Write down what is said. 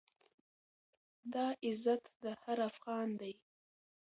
دا عزت د هر افــــغـــــــان دی،